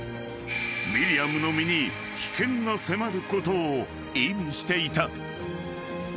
［ミリアムの身に危険が迫ることを意味していた］